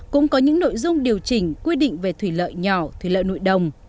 cũng có những nội dung điều chỉnh quy định về thủy lợi nhỏ thủy lợi nội đồng